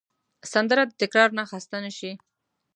سندره د تکرار نه خسته نه شي